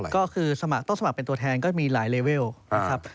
ก็คือต้องสมัครเป็นตัวแทนก็มีหลายเลเวลนะครับ